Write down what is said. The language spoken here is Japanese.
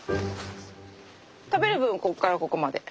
食べる部分はここからここまで。